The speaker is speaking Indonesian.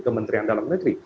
kementerian dalam negeri